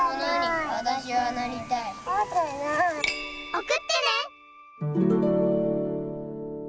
おくってね！